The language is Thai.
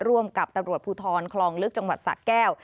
ร่วมกับตำรวจภูทรคลองลึกจังหวัดสะแก้ว